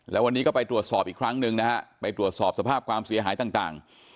แล้ววันนี้ก็ไปตรวจสอบอีกครั้งหนึ่งนะฮะไปตรวจสอบสภาพความเสียหายต่าง